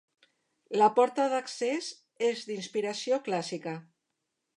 La porta d'accés és d'inspiració clàssica.